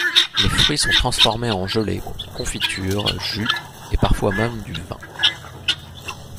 Les fruits sont transformés en gelée, confiture, jus et parfois même du vin.